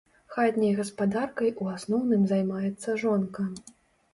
Хатняй гаспадаркай у асноўным займаецца жонка.